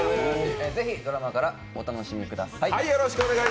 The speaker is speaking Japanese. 是非ドラマからお楽しみください！